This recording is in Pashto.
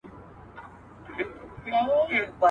محکمه خلګو ته عدل او انصاف رسوي.